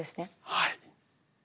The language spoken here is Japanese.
はい。